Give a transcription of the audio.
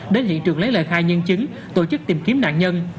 đến hiện trường lấy lời khai nhân chứng tổ chức tìm kiếm nạn nhân